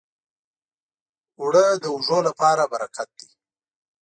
اوړه د وږو لپاره برکت دی